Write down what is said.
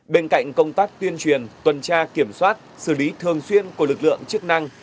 bên cạnh công tác tuyên truyền tuần tra kiểm soát xử lý thường xuyên của lực lượng chức năng